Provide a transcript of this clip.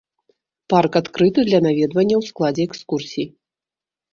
Парк адкрыты для наведвання ў складзе экскурсій.